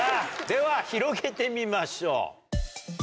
では広げてみましょう。